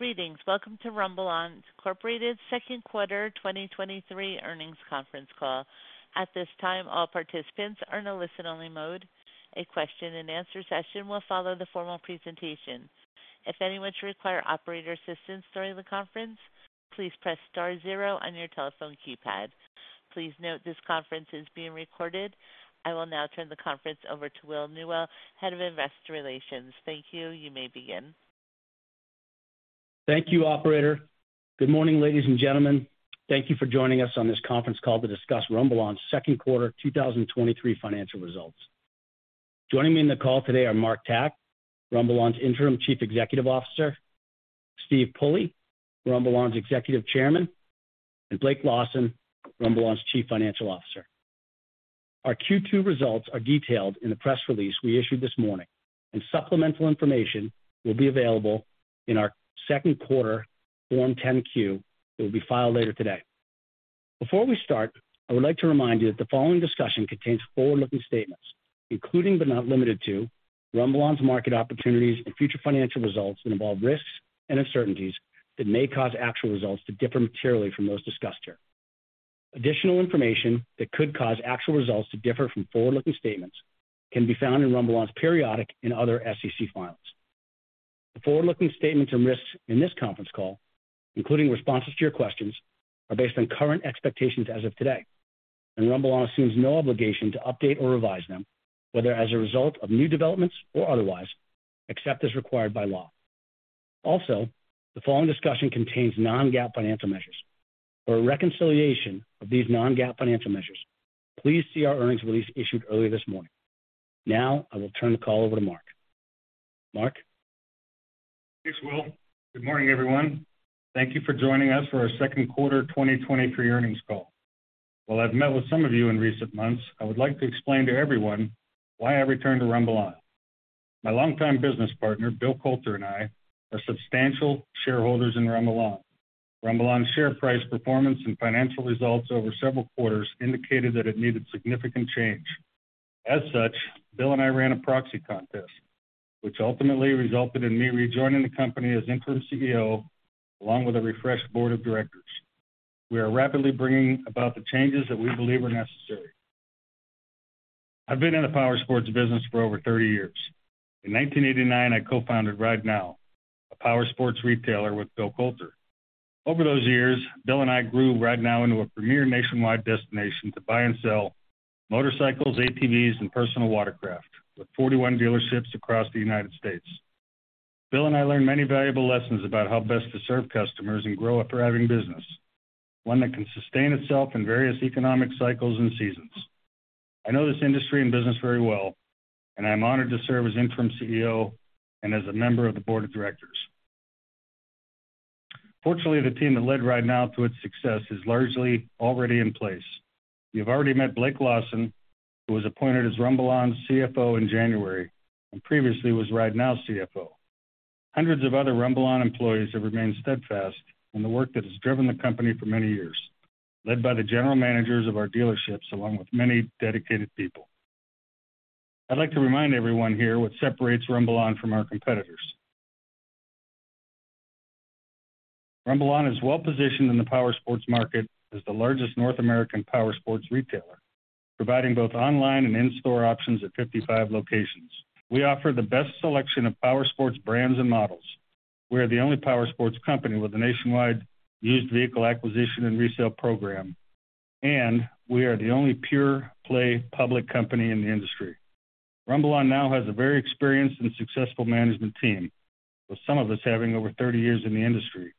Greetings. Welcome to RumbleOn, Inc.'s second quarter 2023 earnings conference call. At this time, all participants are in a listen-only mode. A question-and-answer session will follow the formal presentation. If anyone should require operator assistance during the conference, please Press Star zero on your telephone keypad. Please note this conference is being recorded. I will now turn the conference over to Will Newell, Head of Investor Relations. Thank you. You may begin. Thank you, operator. Good morning, ladies and gentlemen. Thank you for joining us on this Conference Call to discuss RumbleOn's second quarter 2023 financial results. Joining me in the call today are Mark Tkach, RumbleOn's Interim Chief Executive Officer, Steve Pully, RumbleOn's Executive Chairman, and Blake Lawson, RumbleOn's Chief Financial Officer. Our Q2 results are detailed in the press release we issued this morning, supplemental information will be available in our second quarter Form 10-Q that will be filed later today. Before we start, I would like to remind you that the following discussion contains forward-looking statements, including, but not limited to, RumbleOn's market opportunities and future financial results that involve risks and uncertainties that may cause actual results to differ materially from those discussed here. Additional information that could cause actual results to differ from forward-looking statements can be found in RumbleOn's periodic and other SEC filings. The forward-looking statements and risks in this conference call, including responses to your questions, are based on current expectations as of today, and RumbleOn assumes no obligation to update or revise them, whether as a result of new developments or otherwise, except as required by law. Also, the following discussion contains non-GAAP financial measures. For a reconciliation of these non-GAAP financial measures, please see our earnings release issued earlier this morning. Now, I will turn the call over to Mark. Mark? Thanks, Will. Good morning, everyone. Thank you for joining us for our second quarter 2023 earnings call. While I've met with some of you in recent months, I would like to explain to everyone why I returned to RumbleOn. My longtime business partner, Bill Coulter, and I, are substantial shareholders in RumbleOn. RumbleOn's share price, performance, and financial results over several quarters indicated that it needed significant change. As such, Bill and I ran a proxy contest, which ultimately resulted in me rejoining the company as Interim Chief Executive Officer, along with a refreshed board of directors. We are rapidly bringing about the changes that we believe are necessary. I've been in the powersports business for over 30 years. In 1989, I co-founded RideNow, a powersports retailer, with Bill Coulter. Over those years, Bill and I grew RideNow into a premier nationwide destination to buy and sell motorcycles, ATVs, and personal watercraft, with 41 dealerships across the United States. Bill and I learned many valuable lessons about how best to serve customers and grow a thriving business, one that can sustain itself in various economic cycles and seasons. I know this industry and business very well, and I'm honored to serve as Interim CEO and as a member of the board of directors. Fortunately, the team that led RideNow to its success is largely already in place. You've already met Blake Lawson, who was appointed as RumbleOn's CFO in January and previously was RideNow's CFO. Hundreds of other RumbleOn employees have remained steadfast in the work that has driven the company for many years, led by the general managers of our dealerships, along with many dedicated people. I'd like to remind everyone here what separates RumbleOn from our competitors. RumbleOn is well-positioned in the powersports market as the largest North American powersports retailer, providing both online and in-store options at 55 locations. We offer the best selection of powersports brands and models. We are the only powersports company with a nationwide used vehicle acquisition and resale program. We are the only pure-play public company in the industry. RumbleOn now has a very experienced and successful management team, with some of us having over 30 years in the industry.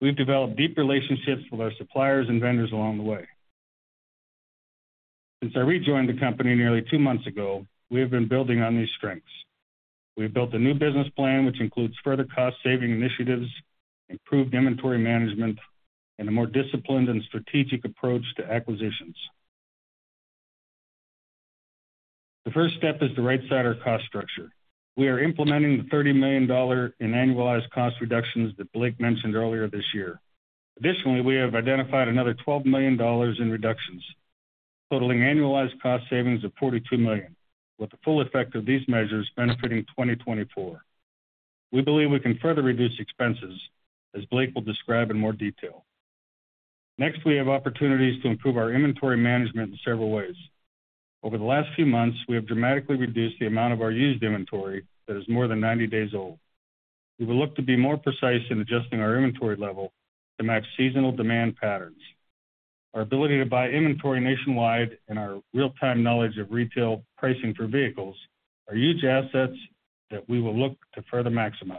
We've developed deep relationships with our suppliers and vendors along the way. Since I rejoined the company nearly two months ago, we have been building on these strengths. We've built a new business plan, which includes further cost-saving initiatives, improved inventory management, and a more disciplined and strategic approach to acquisitions. The first step is to right-size our cost structure. We are implementing the $30 million in annualized cost reductions that Blake mentioned earlier this year. Additionally, we have identified another $12 million in reductions, totaling annualized cost savings of $42 million, with the full effect of these measures benefiting 2024. We believe we can further reduce expenses, as Blake will describe in more detail. Next, we have opportunities to improve our inventory management in several ways. Over the last few months, we have dramatically reduced the amount of our used inventory that is more than 90 days old. We will look to be more precise in adjusting our inventory level to match seasonal demand patterns. Our ability to buy inventory nationwide and our real-time knowledge of retail pricing for vehicles are huge assets that we will look to further maximize.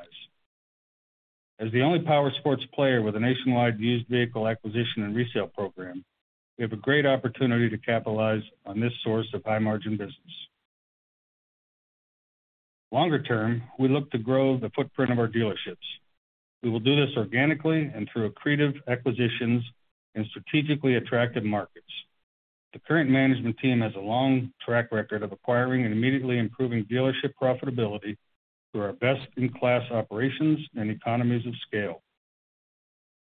As the only powersports player with a nationwide used vehicle acquisition and resale program, we have a great opportunity to capitalize on this source of high-margin business. Longer term, we look to grow the footprint of our dealerships. We will do this organically and through accretive acquisitions in strategically attractive markets. The current management team has a long track record of acquiring and immediately improving dealership profitability through our best-in-class operations and economies of scale.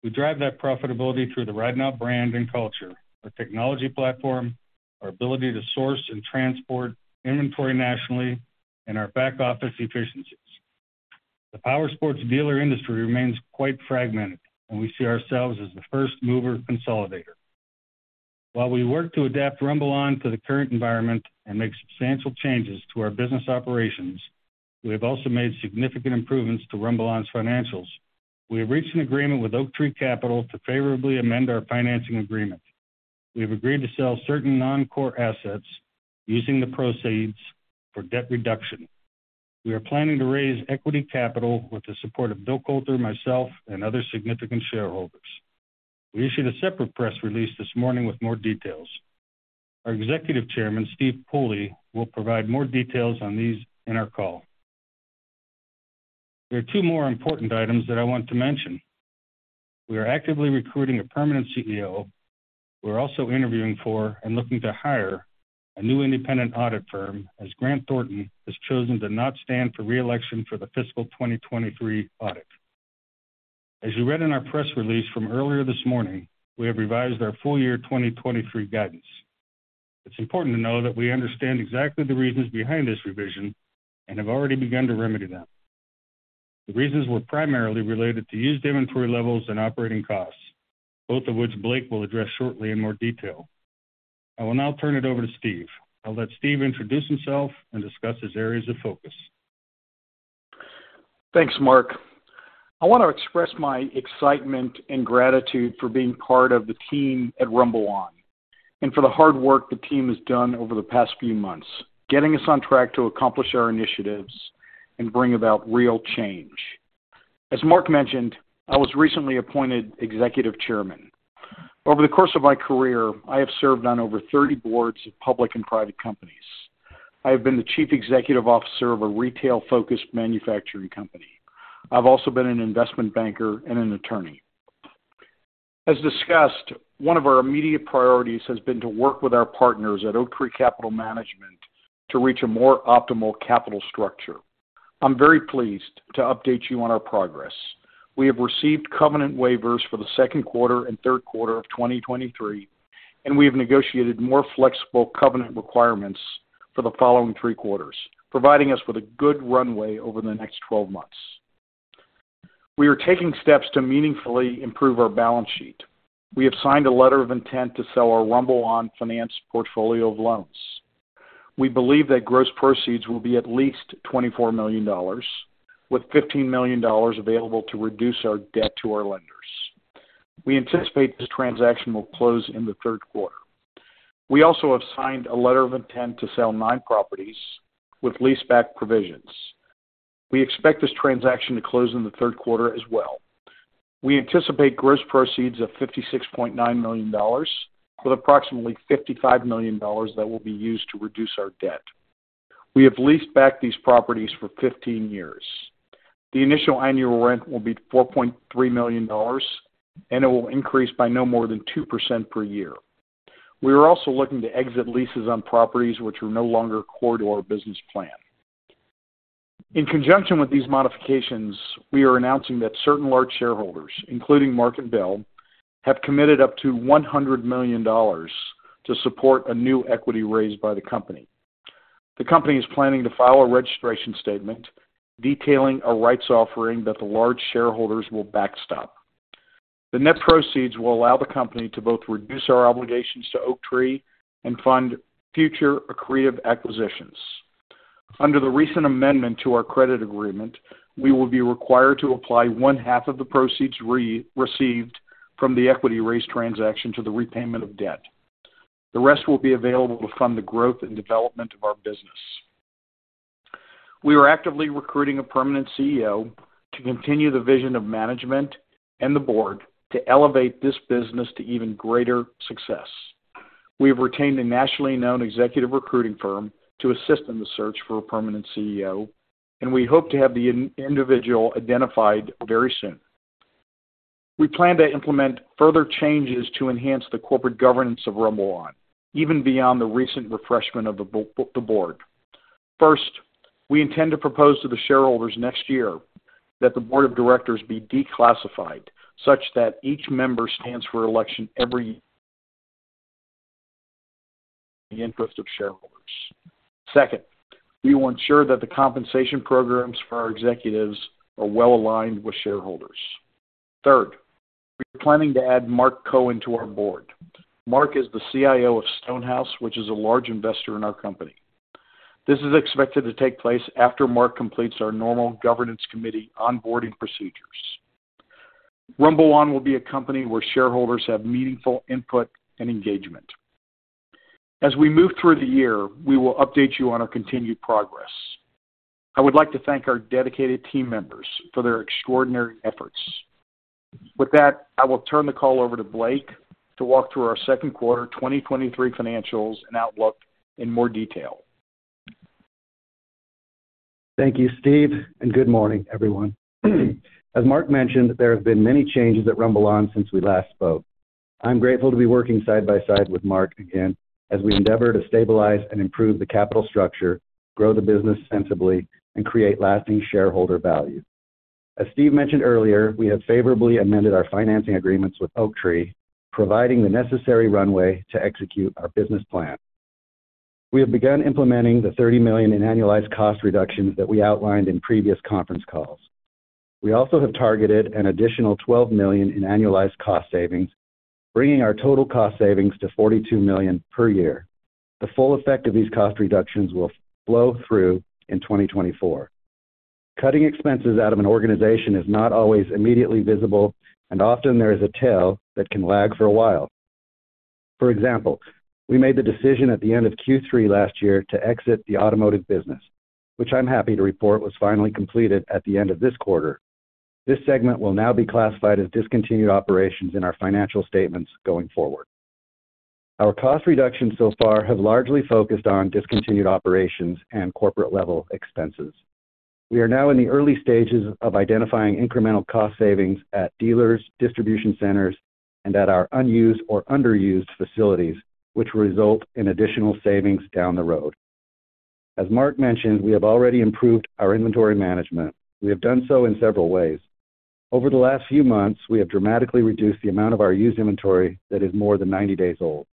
We drive that profitability through the RideNow brand and culture, our technology platform, our ability to source and transport inventory nationally, and our back office efficiencies. The powersports dealer industry remains quite fragmented, and we see ourselves as the first mover consolidator. While we work to adapt RumbleOn to the current environment and make substantial changes to our business operations, we have also made significant improvements to RumbleOn's financials. We have reached an agreement with Oaktree Capital to favorably amend our financing agreement. We have agreed to sell certain non-core assets, using the proceeds for debt reduction. We are planning to raise equity capital with the support of Bill Coulter, myself, and other significant shareholders. We issued a separate press release this morning with more details. Our Executive Chairman, Steve Pully, will provide more details on these in our call. There are two more important items that I want to mention. We are actively recruiting a permanent CEO. We're also interviewing for and looking to hire a new independent audit firm, as Grant Thornton has chosen to not stand for re-election for the fiscal 2023 audit. As you read in our press release from earlier this morning, we have revised our full year 2023 guidance. It's important to know that we understand exactly the reasons behind this revision and have already begun to remedy them. The reasons were primarily related to used inventory levels and operating costs, both of which Blake will address shortly in more detail. I will now turn it over to Steve. I'll let Steve introduce himself and discuss his areas of focus. Thanks, Mark. I want to express my excitement and gratitude for being part of the team at RumbleOn, and for the hard work the team has done over the past few months, getting us on track to accomplish our initiatives and bring about real change. As Mark mentioned, I was recently appointed Executive Chairman. Over the course of my career, I have served on over 30 boards of public and private companies. I have been the chief executive officer of a retail-focused manufacturing company. I've also been an investment banker and an attorney. As discussed, one of our immediate priorities has been to work with our partners at Oaktree Capital Management to reach a more optimal capital structure. I'm very pleased to update you on our progress. We have received covenant waivers for the second quarter and third quarter of 2023, and we have negotiated more flexible covenant requirements for the following three quarters, providing us with a good runway over the next 12 months. We are taking steps to meaningfully improve our balance sheet. We have signed a letter of intent to sell our RumbleOn finance portfolio of loans. We believe that gross proceeds will be at least $24 million, with $15 million available to reduce our debt to our lenders. We anticipate this transaction will close in the third quarter. We also have signed a letter of intent to sell 9 properties with leaseback provisions. We expect this transaction to close in the third quarter as well. We anticipate gross proceeds of $56.9 million, with approximately $55 million that will be used to reduce our debt. We have leased back these properties for 15 years. The initial annual rent will be $4.3 million, and it will increase by no more than 2% per year. We are also looking to exit leases on properties which are no longer core to our business plan. In conjunction with these modifications, we are announcing that certain large shareholders, including Mark and Bill, have committed up to $100 million to support a new equity raise by the company. The company is planning to file a registration statement detailing a rights offering that the large shareholders will backstop. The net proceeds will allow the company to both reduce our obligations to Oaktree and fund future accretive acquisitions. Under the recent amendment to our credit agreement, we will be required to apply 50% of the proceeds received from the equity raise transaction to the repayment of debt. The rest will be available to fund the growth and development of our business. We are actively recruiting a permanent CEO to continue the vision of management and the board to elevate this business to even greater success. We have retained a nationally known executive recruiting firm to assist in the search for a permanent CEO. We hope to have the individual identified very soon. We plan to implement further changes to enhance the corporate governance of RumbleOn, even beyond the recent refreshment of the board. We intend to propose to the shareholders next year that the board of directors be declassified, such that each member stands for election every. The interest of shareholders. Second, we will ensure that the compensation programs for our executives are well aligned with shareholders. Third, we are planning to add Mark Cohen to our board. Mark is the CIO of Stonehouse, which is a large investor in our company. This is expected to take place after Mark completes our normal governance committee onboarding procedures. RumbleOn will be a company where shareholders have meaningful input and engagement. As we move through the year, we will update you on our continued progress. I would like to thank our dedicated team members for their extraordinary efforts. With that, I will turn the call over to Blake to walk through our second quarter 2023 financials and outlook in more detail. Thank you, Steve, and good morning, everyone. As Mark mentioned, there have been many changes at RumbleOn since we last spoke. I'm grateful to be working side by side with Mark again, as we endeavor to stabilize and improve the capital structure, grow the business sensibly, and create lasting shareholder value. As Steve mentioned earlier, we have favorably amended our financing agreements with Oaktree, providing the necessary runway to execute our business plan. We have begun implementing the $30 million in annualized cost reductions that we outlined in previous conference calls. We also have targeted an additional $12 million in annualized cost savings, bringing our total cost savings to $42 million per year. The full effect of these cost reductions will flow through in 2024. Cutting expenses out of an organization is not always immediately visible, and often there is a tail that can lag for a while. For example, we made the decision at the end of Q3 last year to exit the automotive business, which I'm happy to report was finally completed at the end of this quarter. This segment will now be classified as discontinued operations in our financial statements going forward. Our cost reductions so far have largely focused on discontinued operations and corporate-level expenses. We are now in the early stages of identifying incremental cost savings at dealers, distribution centers, and at our unused or underused facilities, which will result in additional savings down the road. As Mark mentioned, we have already improved our inventory management. We have done so in several ways. Over the last few months, we have dramatically reduced the amount of our used inventory that is more than 90 days old.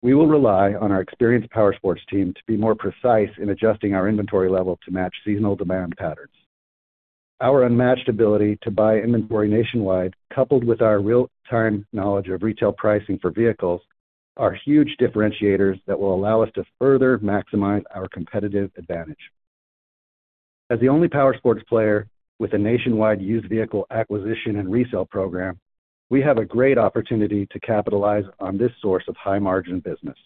We will rely on our experienced powersports team to be more precise in adjusting our inventory level to match seasonal demand patterns. Our unmatched ability to buy inventory nationwide, coupled with our real-time knowledge of retail pricing for vehicles, are huge differentiators that will allow us to further maximize our competitive advantage. As the only powersports player with a nationwide used vehicle acquisition and resale program, we have a great opportunity to capitalize on this source of high-margin business.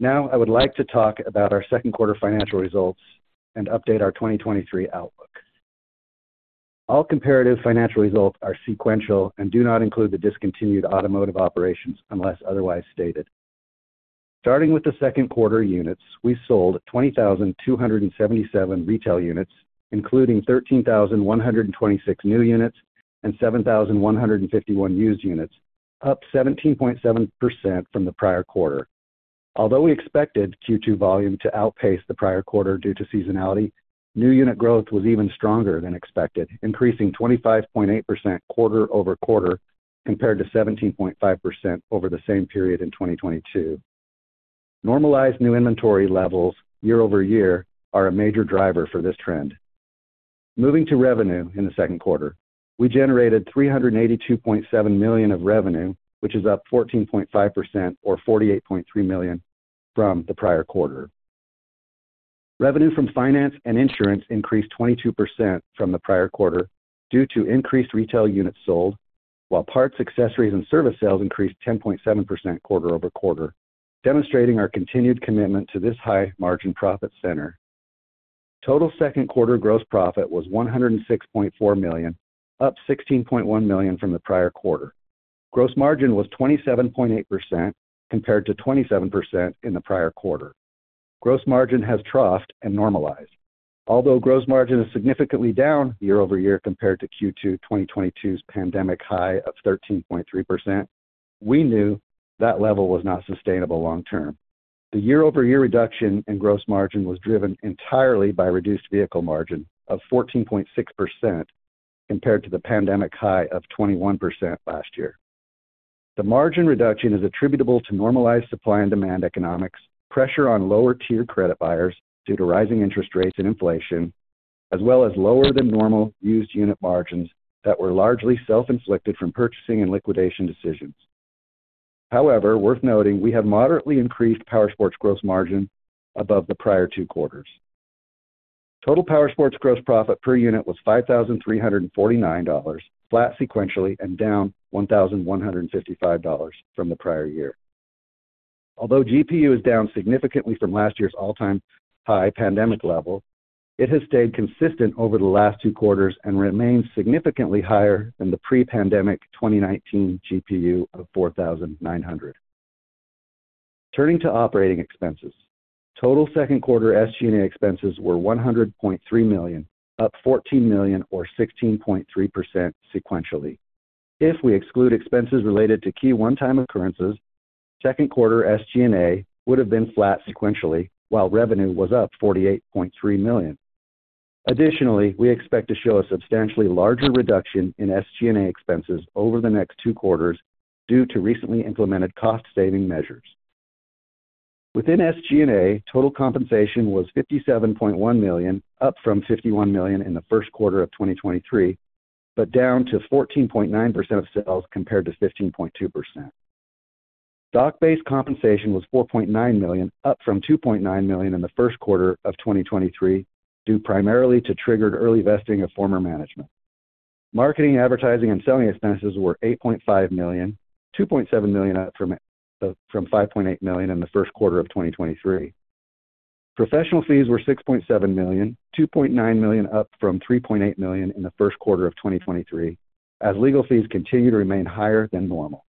Now, I would like to talk about our second quarter financial results and update our 2023 outlook. All comparative financial results are sequential and do not include the discontinued automotive operations unless otherwise stated. Starting with the second quarter units, we sold 20,277 retail units, including 13,126 new units and 7,151 used units, up 17.7% from the prior quarter. Although we expected Q2 volume to outpace the prior quarter due to seasonality, new unit growth was even stronger than expected, increasing 25.8% quarter-over-quarter, compared to 17.5% over the same period in 2022. Normalized new inventory levels year-over-year are a major driver for this trend. Moving to revenue in the second quarter, we generated $382.7 million of revenue, which is up 14.5% or $48.3 million from the prior quarter. Revenue from finance and insurance increased 22% from the prior quarter due to increased retail units sold, while parts, accessories, and service sales increased 10.7% quarter-over-quarter, demonstrating our continued commitment to this high-margin profit center. Total second quarter gross profit was $106.4 million, up $16.1 million from the prior quarter. Gross margin was 27.8%, compared to 27% in the prior quarter. Gross margin has troughed and normalized. Although gross margin is significantly down year-over-year compared to Q2 2022's pandemic high of 13.3%, we knew that level was not sustainable long term. The year-over-year reduction in gross margin was driven entirely by reduced vehicle margin of 14.6%, compared to the pandemic high of 21% last year. The margin reduction is attributable to normalized supply and demand economics, pressure on lower-tier credit buyers due to rising interest rates and inflation, as well as lower-than-normal used unit margins that were largely self-inflicted from purchasing and liquidation decisions. However, worth noting, we have moderately increased powersports gross margin above the prior two quarters. Total powersports gross profit per unit was $5,349, flat sequentially and down $1,155 from the prior year. Although GPU is down significantly from last year's all-time high pandemic level, it has stayed consistent over the last two quarters and remains significantly higher than the pre-pandemic 2019 GPU of $4,900. Turning to operating expenses, total second quarter SG&A expenses were $100.3 million, up $14 million or 16.3% sequentially. If we exclude expenses related to key one-time occurrences, second quarter SG&A would have been flat sequentially, while revenue was up $48.3 million. Additionally, we expect to show a substantially larger reduction in SG&A expenses over the two quarters due to recently implemented cost-saving measures. Within SG&A, total compensation was $57.1 million, up from $51 million in the first quarter of 2023, but down to 14.9% of sales, compared to 15.2%. Stock-based compensation was $4.9 million, up from $2.9 million in the first quarter of 2023, due primarily to triggered early vesting of former management. Marketing, advertising, and selling expenses were $8.5 million, $2.7 million up from $5.8 million in the first quarter of 2023. Professional fees were $6.7 million, $2.9 million up from $3.8 million in the first quarter of 2023, as legal fees continue to remain higher than normal.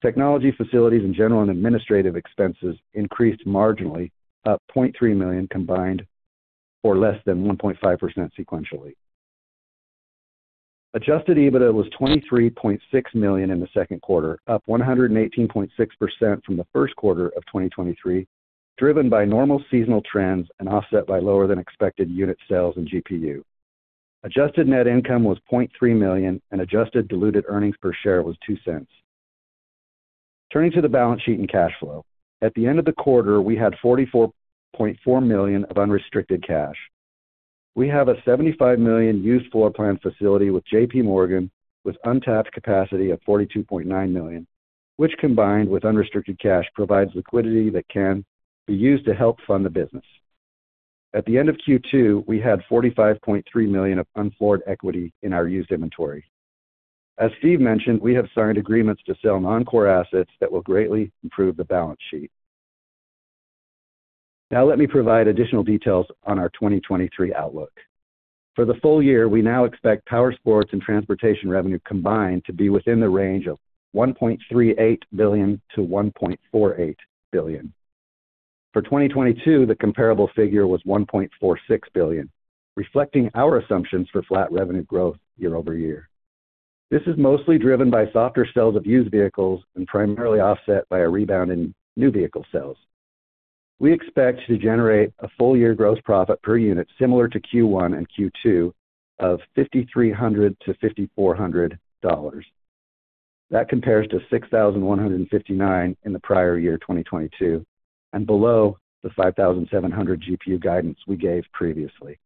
Technology facilities and general and administrative expenses increased marginally, up $0.3 million combined, or less than 1.5% sequentially. Adjusted EBITDA was $23.6 million in the second quarter, up 118.6% from the first quarter of 2023, driven by normal seasonal trends and offset by lower than expected unit sales and GPU. Adjusted net income was $0.3 million, and adjusted diluted earnings per share was $0.02. Turning to the balance sheet and cash flow. At the end of the quarter, we had $44.4 million of unrestricted cash. We have a $75 million used floor plan facility with JP Morgan, with untapped capacity of $42.9 million, which, combined with unrestricted cash, provides liquidity that can be used to help fund the business. At the end of Q2, we had $45.3 million of unfloored equity in our used inventory. As Steve mentioned, we have signed agreements to sell non-core assets that will greatly improve the balance sheet. Let me provide additional details on our 2023 outlook. For the full year, we now expect powersports and transportation revenue combined to be within the range of $1.38 billion-$1.48 billion. For 2022, the comparable figure was $1.46 billion, reflecting our assumptions for flat revenue growth year-over-year. This is mostly driven by softer sales of used vehicles and primarily offset by a rebound in new vehicle sales. We expect to generate a full year gross profit per unit similar to Q1 and Q2 of $5,300-$5,400. That compares to $6,159 in the prior year, 2022, and below the $5,700 GPU guidance we gave previously.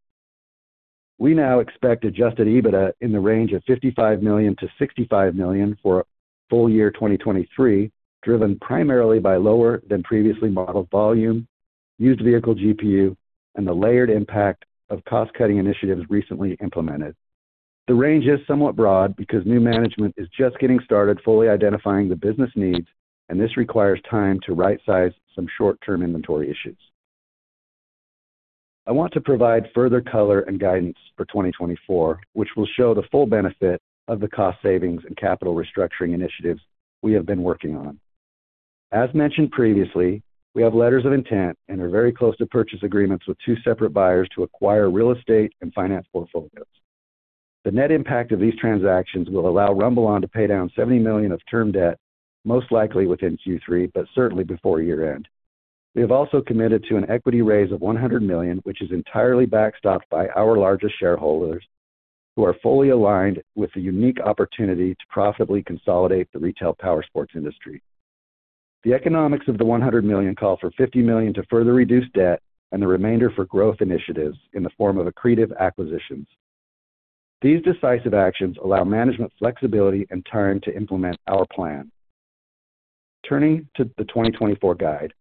We now expect adjusted EBITDA in the range of $55 million-$65 million for full year 2023, driven primarily by lower than previously modeled volume, used vehicle GPU, and the layered impact of cost-cutting initiatives recently implemented. The range is somewhat broad because new management is just getting started fully identifying the business needs, and this requires time to right-size some short-term inventory issues. I want to provide further color and guidance for 2024, which will show the full benefit of the cost savings and capital restructuring initiatives we have been working on. As mentioned previously, we have letters of intent and are very close to purchase agreements with two separate buyers to acquire real estate and finance portfolios. The net impact of these transactions will allow RumbleOn to pay down $70 million of term debt, most likely within Q3, but certainly before year-end. We have also committed to an equity raise of $100 million, which is entirely backstopped by our largest shareholders, who are fully aligned with the unique opportunity to profitably consolidate the retail powersports industry. The economics of the $100 million call for $50 million to further reduce debt and the remainder for growth initiatives in the form of accretive acquisitions. These decisive actions allow management flexibility and time to implement our plan. Turning to the 2024 guide,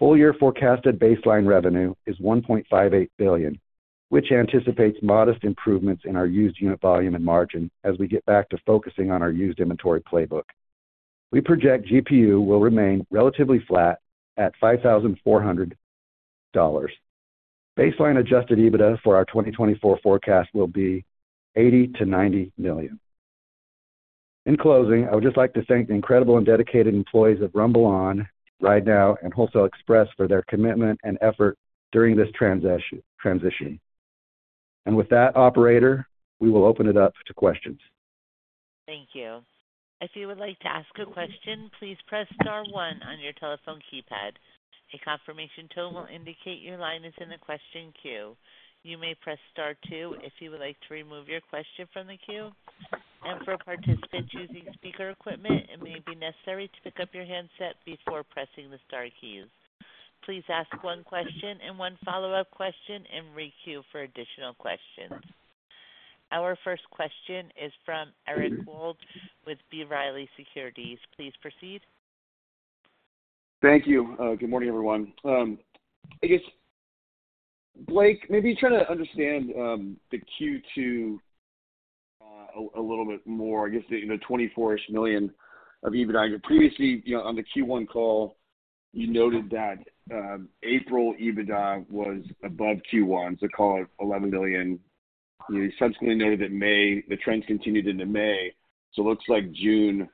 full year forecasted baseline revenue is $1.58 billion, which anticipates modest improvements in our used unit volume and margin as we get back to focusing on our used inventory playbook. We project GPU will remain relatively flat at $5,400. Baseline adjusted EBITDA for our 2024 forecast will be $80 million-$90 million. In closing, I would just like to thank the incredible and dedicated employees of RumbleOn, RideNow, and Wholesale Express for their commitment and effort during this transition. With that, operator, we will open it up to questions. Thank you. If you would like to ask a question, please press star one on your telephone keypad. A confirmation tone will indicate your line is in the question queue. You may press Star two if you would like to remove your question from the queue. For participants using speaker equipment, it may be necessary to pick up your handset before pressing the star keys. Please ask one question and one follow-up question and requeue for additional questions. Our first question is from Eric Wold with B. Riley Securities. Please proceed. Thank you. Good morning, everyone. I guess, Blake, maybe try to understand the Q2 a little bit more. I guess, the $24 million of EBITDA. Previously, you know, on the Q1 call, you noted that April EBITDA was above Q1, so call it $11 million. You subsequently noted that May, the trends continued into May, so looks like June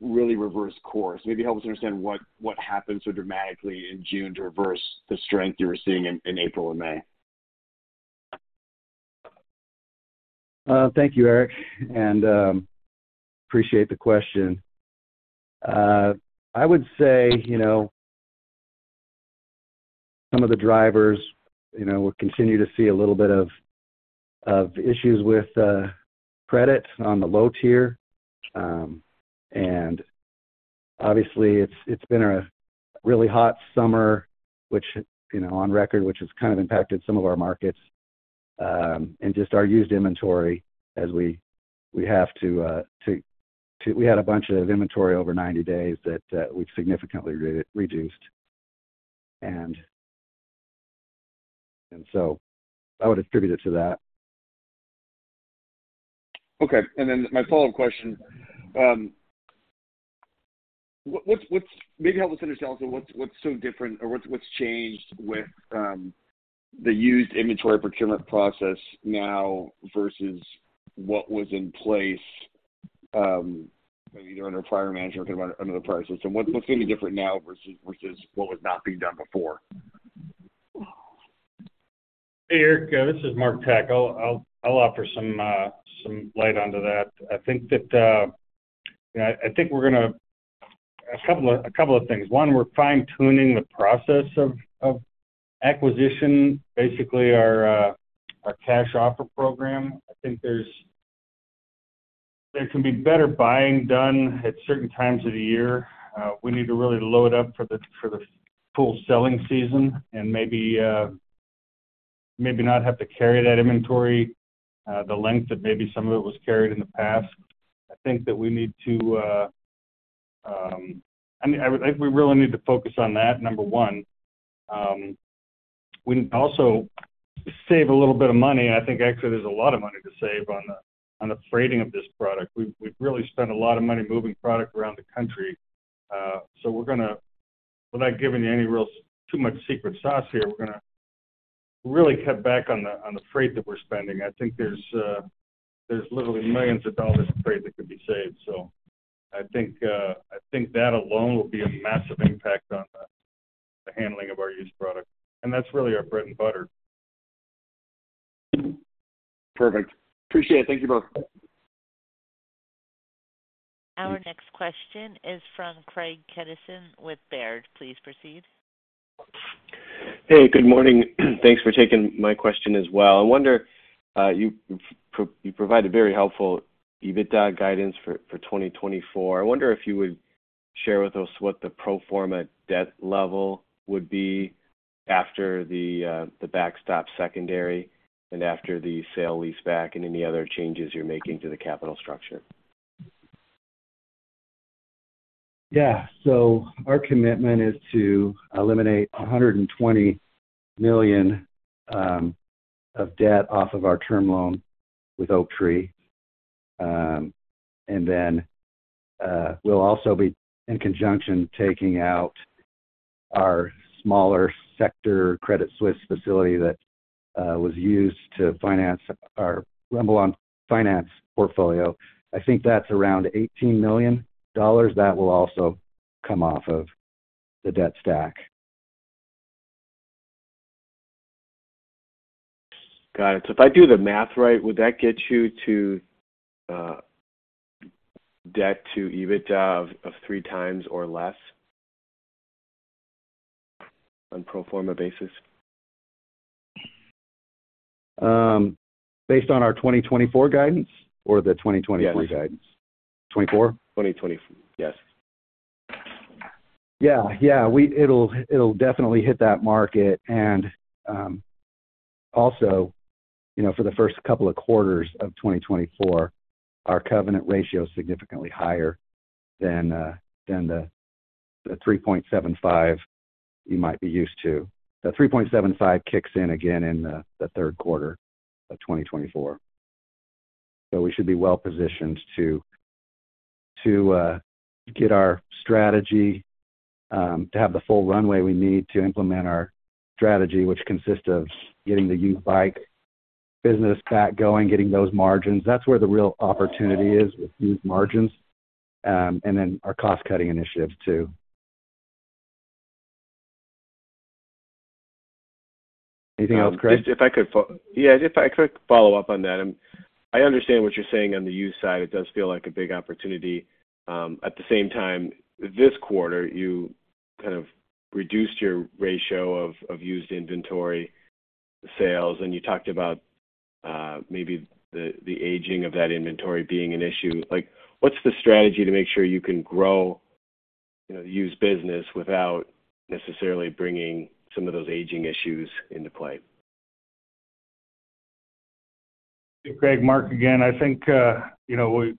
really reversed course. Maybe help us understand what, what happened so dramatically in June to reverse the strength you were seeing in, in April and May. Thank you, Eric, and appreciate the question. I would say, you know, some of the drivers, you know, we'll continue to see a little bit of, of issues with credit on the low tier. Obviously, it's, it's been a really hot summer, which, you know, on record, which has kind of impacted some of our markets. Just our used inventory as we, we have to to to... We had a bunch of inventory over 90 days that we've significantly re-reduced. I would attribute it to that. Okay, then my follow-up question, maybe help us understand what's, what's so different or what's, what's changed with the used inventory procurement process now versus what was in place? either under prior management or under the prior system, what, what's going to be different now versus, versus what was not being done before? Hey, Eric, this is Mark Tkach. I'll offer some light onto that. I think that. A couple of things. One, we're fine-tuning the process of acquisition. Basically, our cash offer program. I think there can be better buying done at certain times of the year. We need to really load up for the full selling season and maybe not have to carry that inventory the length that maybe some of it was carried in the past. I think that we need to, I mean, we really need to focus on that, number one. We also save a little bit of money. I think actually there's a lot of money to save on the freighting of this product. We've really spent a lot of money moving product around the country. Without giving you any real, too much secret sauce here, we're gonna really cut back on the freight that we're spending. I think there's literally millions of dollars of freight that could be saved. I think, I think that alone will be a massive impact on the handling of our used product, and that's really our bread and butter. Perfect. Appreciate it. Thank you both. Our next question is from Craig Kennison with Baird. Please proceed. Hey, good morning. Thanks for taking my question as well. I wonder, you provided very helpful EBITDA guidance for, for 2024. I wonder if you would share with us what the pro forma debt level would be after the backstop secondary and after the sale lease back, and any other changes you're making to the capital structure. Yeah. Our commitment is to eliminate $120 million of debt off of our term loan with Oaktree. Then, we'll also be, in conjunction, taking out our smaller sector, Credit Suisse facility, that was used to finance our RumbleOn finance portfolio. I think that's around $18 million. That will also come off of the debt stack. Got it. If I do the math right, would that get you to debt to EBITDA of 3x or less on pro forma basis? based on our 2024 guidance or the 2023 guidance? Yes. Twenty-four? 2020. Yes. Yeah. Yeah, It'll, it'll definitely hit that market. Also, you know, for the first couple of quarters of 2024, our covenant ratio is significantly higher than, than the, the 3.75 you might be used to. The 3.75 kicks in again in the, the third quarter of 2024. We should be well positioned to, to, get our strategy, to have the full runway we need to implement our strategy, which consists of getting the used bike business back going, getting those margins. That's where the real opportunity is, with used margins, and then our cost-cutting initiatives too. Anything else, Craig? Yeah, if I could follow up on that. I understand what you're saying on the used side. It does feel like a big opportunity. At the same time, this quarter, you kind of reduced your ratio of, of used inventory sales, and you talked about, maybe the aging of that inventory being an issue. Like, what's the strategy to make sure you can grow, you know, the used business without necessarily bringing some of those aging issues into play? Hey, Craig, Mark, again. I think, you know, we,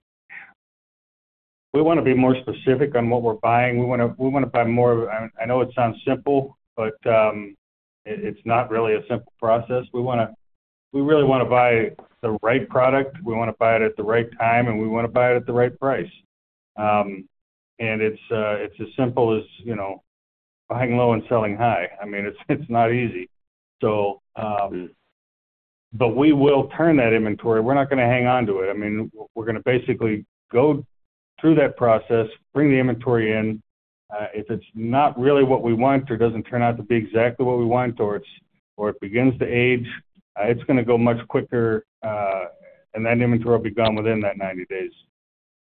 we want to be more specific on what we're buying. We wanna, we wanna buy more. I, I know it sounds simple, but it, it's not really a simple process. We really wanna buy the right product, we wanna buy it at the right time, and we wanna buy it at the right price. It's, it's as simple as, you know, buying low and selling high. I mean, it's, it's not easy. We will turn that inventory. We're not gonna hang on to it. I mean, we're gonna basically go through that process, bring the inventory in. If it's not really what we want or doesn't turn out to be exactly what we want, or it begins to age, it's gonna go much quicker, and that inventory will be gone within that 90 days,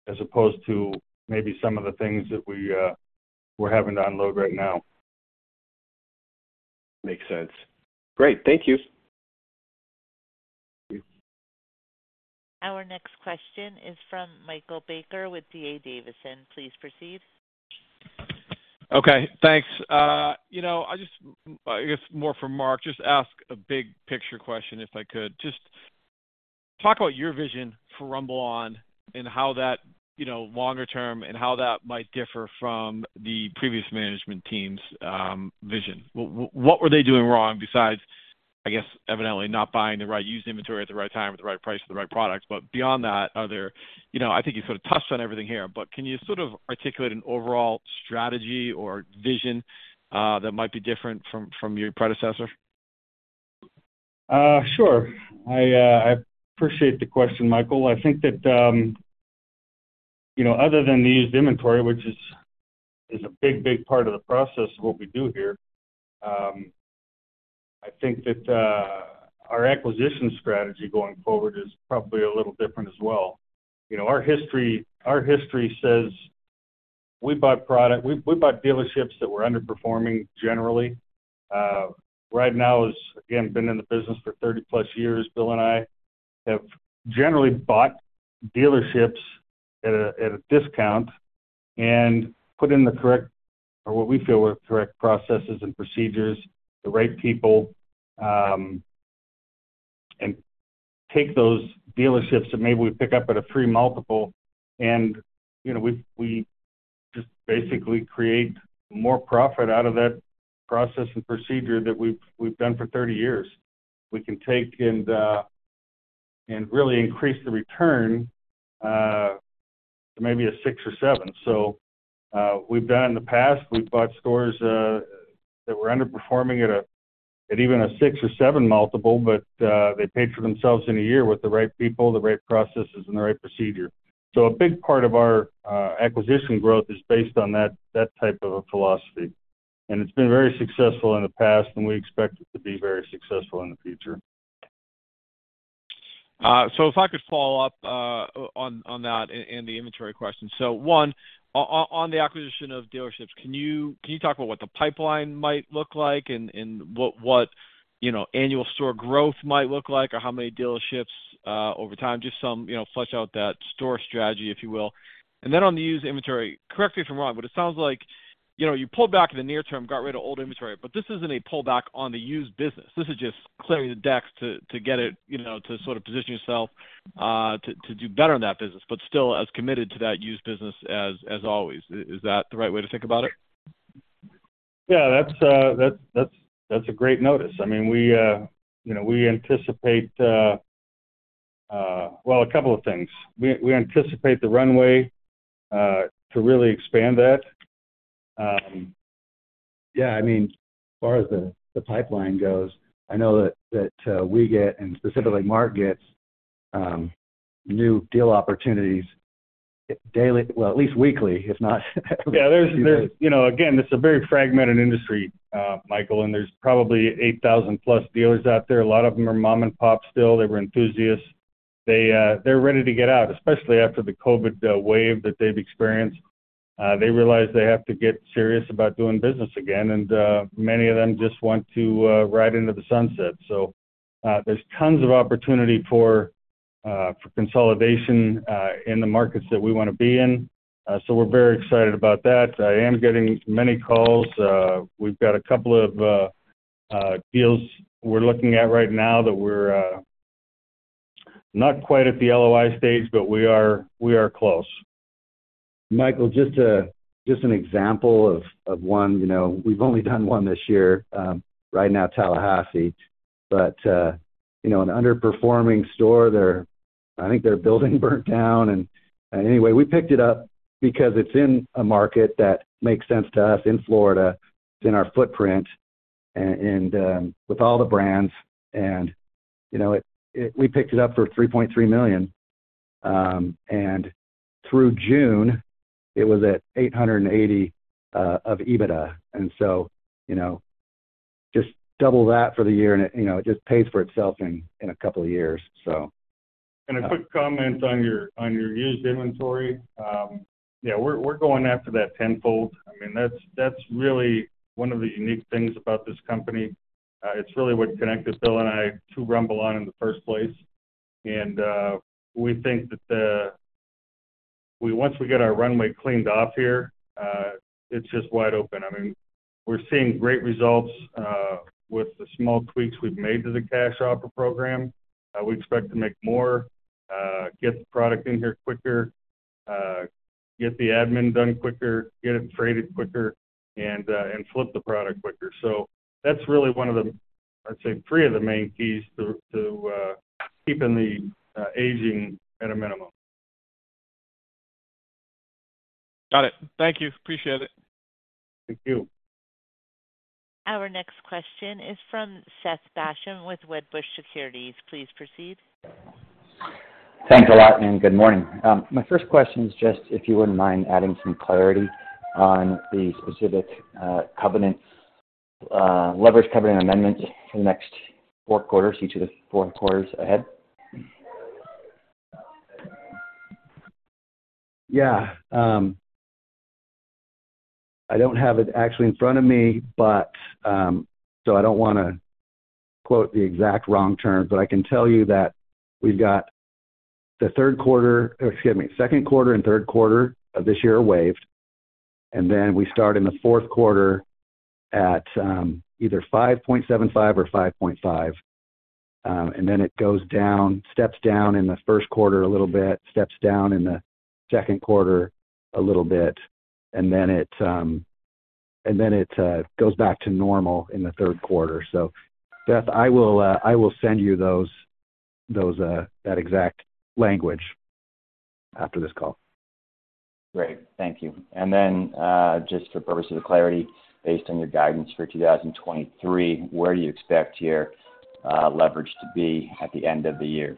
as opposed to maybe some of the things that we, we're having to unload right now. Makes sense. Great. Thank you. Thank you. Our next question is from Michael Baker with D.A. Davidson. Please proceed. Okay, thanks. You know, I just, I guess more for Mark, just ask a big picture question, if I could. Just talk about your vision for RumbleOn and how that, you know, longer term, and how that might differ from the previous management team's vision. What were they doing wrong besides, I guess, evidently not buying the right used inventory at the right time, with the right price, for the right products? But beyond that, are there... You know, I think you sort of touched on everything here, but can you sort of articulate an overall strategy or vision that might be different from, from your predecessor? Sure. I appreciate the question, Michael. I think that, you know, other than the used inventory, which is, is a big, big part of the process of what we do here, I think that our acquisition strategy going forward is probably a little different as well. You know, our history, our history says we bought dealerships that were underperforming generally. RideNow, it's, again, been in the business for +30 years. Bill and I have generally bought dealerships at a, at a discount and put in the correct, or what we feel are correct processes and procedures, the right people, and take those dealerships that maybe we pick up at a 3 multiple, and, you know, we, we just basically create more profit out of that process and procedure that we've, we've done for 30 years. We can take and, and really increase the return, to maybe a six or seven. We've done in the past, we've bought stores that were underperforming at a, at even a six or seven multiple, but they paid for themselves in one year with the right people, the right processes, and the right procedure. A big part of our acquisition growth is based on that, that type of a philosophy, and it's been very successful in the past, and we expect it to be very successful in the future. If I could follow up on that and the inventory question. One, on the acquisition of dealerships, can you, can you talk about what the pipeline might look like and what, what, you know, annual store growth might look like, or how many dealerships over time? Just some, you know, flush out that store strategy, if you will. Then on the used inventory, correct me if I'm wrong, but it sounds like, you know, you pulled back in the near term, got rid of old inventory, but this isn't a pullback on the used business. This is just clearing the decks to, to get it, you know, to sort of position yourself to do better in that business, but still as committed to that used business as, as always. Is that the right way to think about it? Yeah, that's, that's, that's, that's a great notice. I mean, we, you know, we anticipate... Well, a couple of things. We, we anticipate the runway to really expand that. Yeah, I mean, as far as the pipeline goes, I know that, that we get, and specifically Mark gets, new deal opportunities daily, well, at least weekly, if not. Yeah, there's. You know, again, this is a very fragmented industry, Michael. There's probably 8,000 plus dealers out there. A lot of them are mom and pop still. They were enthusiasts. They, they're ready to get out, especially after the COVID wave that they've experienced. They realize they have to get serious about doing business again. Many of them just want to ride into the sunset. There's tons of opportunity for consolidation in the markets that we wanna be in. We're very excited about that. I am getting many calls. We've got a couple of deals we're looking at right now that we're not quite at the LOI stage, but we are, we are close. Michael, just a, just an example of one, you know, we've only done one this year, right now, Tallahassee. You know, an underperforming store, I think their building burnt down, and, anyway, we picked it up because it's in a market that makes sense to us in Florida. It's in our footprint and with all the brands, and, you know, we picked it up for $3.3 million. Through June, it was at 880 of EBITDA. You know, just double that for the year, and it, you know, it just pays for itself in a couple of years. A quick comment on your, on your used inventory. Yeah, we're, we're going after that tenfold. I mean, that's, that's really one of the unique things about this company. It's really what connected Bill and I to RumbleOn in the first place. We think that once we get our runway cleaned off here, it's just wide open. I mean, we're seeing great results with the small tweaks we've made to the cash offer program. We expect to make more, get the product in here quicker, get the admin done quicker, get it traded quicker, and flip the product quicker. That's really one of the, I'd say, three of the main keys to, to keeping the aging at a minimum. Got it. Thank you. Appreciate it. Thank you. Our next question is from Seth Basham with Wedbush Securities. Please proceed. Thanks a lot, and good morning. My first question is just if you wouldn't mind adding some clarity on the specific covenants, leverage covenant amendments for the next four quarters, each of the four quarters ahead. Yeah. I don't have it actually in front of me, but, so I don't wanna quote the exact wrong terms, but I can tell you that we've got the third quarter, Excuse me, second quarter and third quarter of this year are waived, and then we start in the fourth quarter at either 5.75 or 5.5. Then it goes down, steps down in the first quarter a little bit, steps down in the second quarter a little bit, and then it, and then it goes back to normal in the third quarter. Seth, I will send you those, that exact language after this call. Great. Thank you. Then, just for purposes of clarity, based on your guidance for 2023, where do you expect your leverage to be at the end of the year?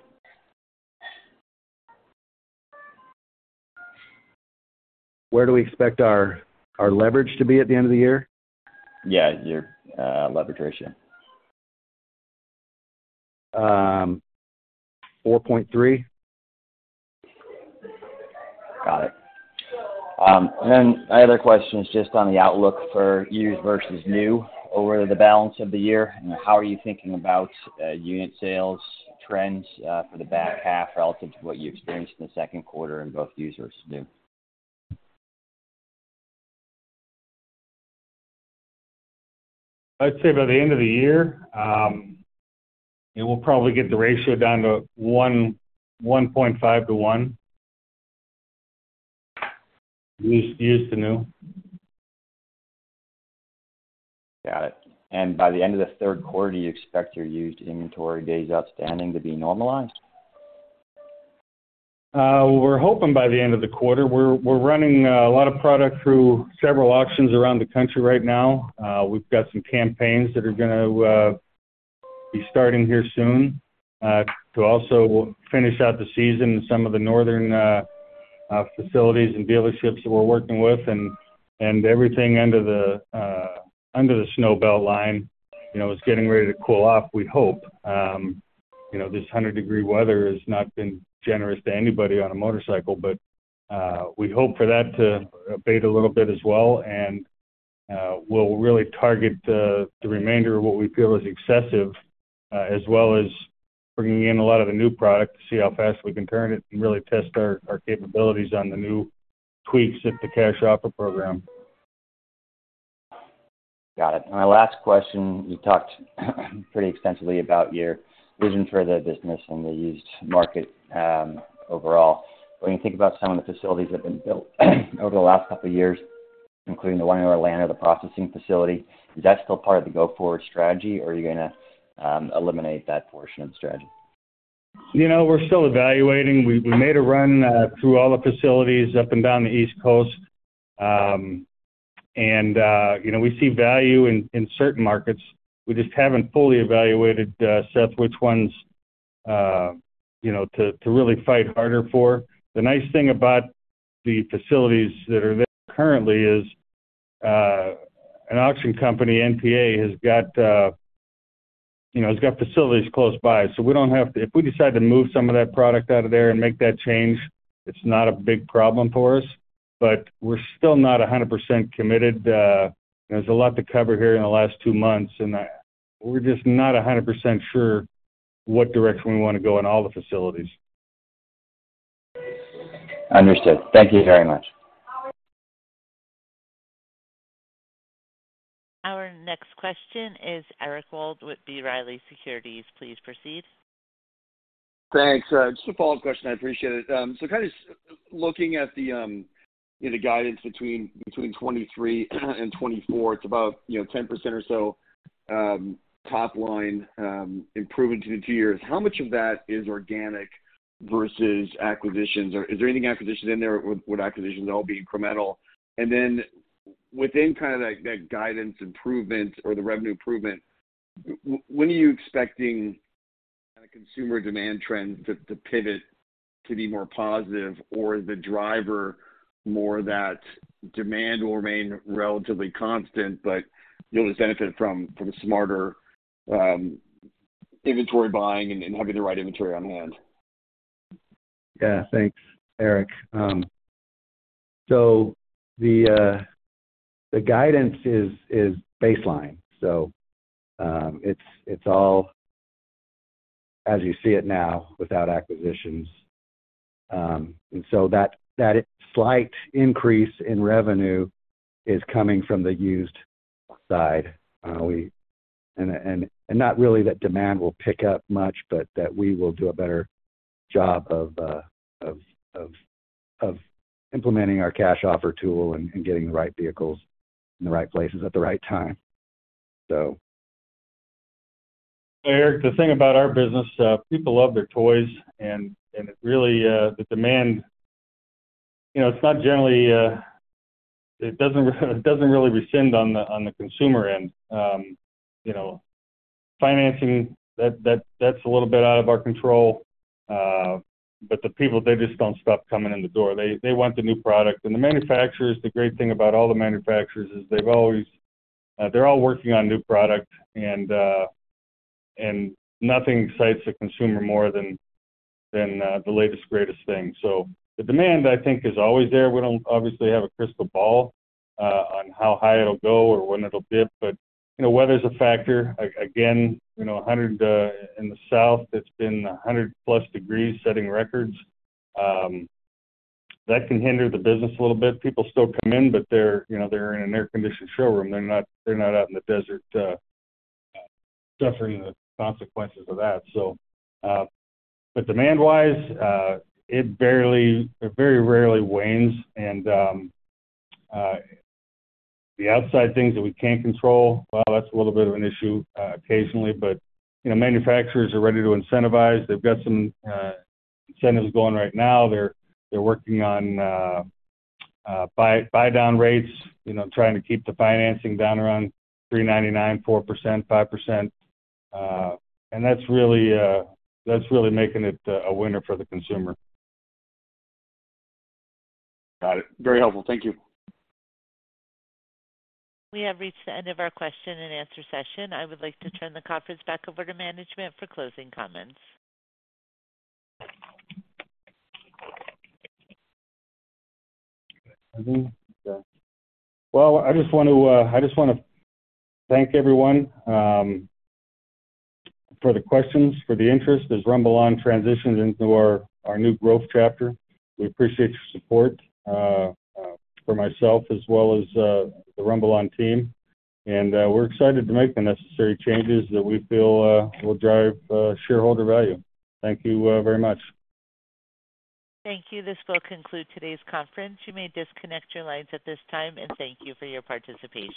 Where do we expect our, our leverage to be at the end of the year? Yeah, your, leverage ratio. 4.3. Got it. My other question is just on the outlook for used versus new over the balance of the year. How are you thinking about unit sales trends for the back half relative to what you experienced in the second quarter in both used versus new? I'd say by the end of the year, it will probably get the ratio down to one, 1.5-1. Used, used to new. Got it. By the end of the third quarter, do you expect your used inventory days outstanding to be normalized? We're hoping by the end of the quarter. We're running a lot of product through several auctions around the country right now. We've got some campaigns that are gonna be starting here soon to also finish out the season in some of the northern facilities and dealerships that we're working with. Everything under the snow belt line, you know, is getting ready to cool off, we hope. You know, this 100-degree weather has not been generous to anybody on a motorcycle, but we hope for that to abate a little bit as well. We'll really target the, the remainder of what we feel is excessive, as well as bringing in a lot of the new product to see how fast we can turn it and really test our, our capabilities on the new tweaks at the cash offer program. Got it. My last question, you talked pretty extensively about your vision for the business and the used market, overall. When you think about some of the facilities that have been built over the last couple of years, including the one in Atlanta, the processing facility, is that still part of the go-forward strategy, or are you gonna eliminate that portion of the strategy? You know, we're still evaluating. We, we made a run, through all the facilities up and down the East Coast. You know, we see value in, in certain markets. We just haven't fully evaluated, Seth, which ones, you know, to, to really fight harder for. The nice thing about the facilities that are there currently is, an auction company, NPA, has got, you know, has got facilities close by. We don't have to, if we decide to move some of that product out of there and make that change, it's not a big problem for us. We're still not 100% committed. There's a lot to cover here in the last 2 months, and I- we're just not 100% sure what direction we wanna go in all the facilities. Understood. Thank you very much. Our next question is Eric Wold with B. Riley Securities. Please proceed. Thanks. Just a follow-up question. I appreciate it. Kind of looking at the guidance between 2023 and 2024, it's about, you know, 10% or so, top line improvement to the two years. How much of that is organic versus acquisitions? Or is there any acquisitions in there? Would acquisitions all be incremental? And then within kind of like that guidance improvement or the revenue improvement, when are you expecting kind of consumer demand trends to pivot, to be more positive? Or the driver more that demand will remain relatively constant, but you'll just benefit from a smarter inventory buying and having the right inventory on hand. Yeah. Thanks, Eric. The guidance is baseline. It's all as you see it now without acquisitions. That, that slight increase in revenue is coming from the used side. Not really that demand will pick up much, but that we will do a better job of implementing our cash offer tool and getting the right vehicles in the right places at the right time, so. Eric, the thing about our business, people love their toys and it really, the demand, you know, it's not generally, it doesn't, it doesn't really rescind on the consumer end. You know, financing, that's a little bit out of our control, the people, they just don't stop coming in the door. They, they want the new product. The manufacturers, the great thing about all the manufacturers is they've always, they're all working on new product, and nothing excites the consumer more than, than the latest, greatest thing. The demand, I think, is always there. We don't obviously have a crystal ball on how high it'll go or when it'll dip, but, you know, weather's a factor. Again, you know, 100, in the south, it's been +100 degrees, setting records. That can hinder the business a little bit. People still come in, but they're, you know, they're in an air-conditioned showroom. They're not, they're not out in the desert, suffering the consequences of that. Demand-wise, it barely, it very rarely wanes. The outside things that we can't control, well, that's a little bit of an issue occasionally. You know, manufacturers are ready to incentivize. They've got some incentives going right now. They're working on buy, buy-down rates, you know, trying to keep the financing down around 3.99%, 4%, 5%. That's really making it a winner for the consumer. Got it. Very helpful. Thank you. We have reached the end of our question-and-answer session. I would like to turn the conference back over to management for closing comments. Well, I just want to, I just wanna thank everyone, for the questions, for the interest, as RumbleOn transitions into our, our new growth chapter. We appreciate your support for myself as well as the RumbleOn team. We're excited to make the necessary changes that we feel will drive shareholder value. Thank you, very much. Thank you. This will conclude today's conference. You may disconnect your lines at this time, and thank you for your participation.